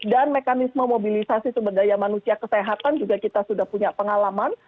dan mekanisme mobilisasi sumber daya manusia kesehatan juga kita sudah punya pengalaman